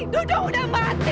dudung udah mati